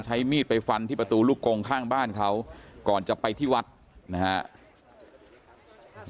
ใช้มีดไปฟันที่ประตูลูกกงข้างบ้านเขาก่อนจะไปที่วัดนะครับ